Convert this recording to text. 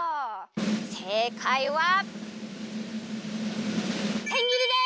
せいかいはせん切りです！